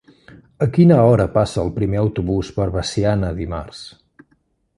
A quina hora passa el primer autobús per Veciana dimarts?